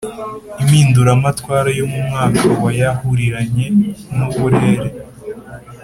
Impinduramatwara yo mu mwaka wa yahuriranye n uburere